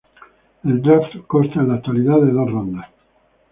El draft consta en la actualidad de dos rondas.